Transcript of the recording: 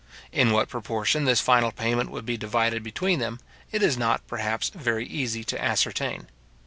In what proportion this final payment would be divided between them, it is not, perhaps, very easy to ascertain.